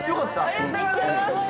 ありがとうございます。